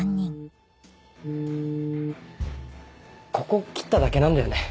ここ切っただけなんだよね？